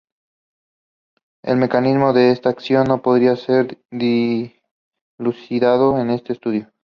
El mecanismo de esta acción no podría ser dilucidado en este estudio.